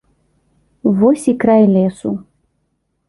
Вось і край лесу.